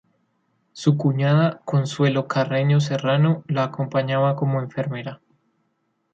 Su cuñada Consuelo Carreño Serrano la acompañaba como enfermera.